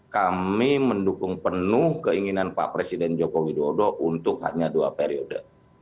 kami mendukung penuh keinginan pak presiden joko widodo untuk hanya dua periode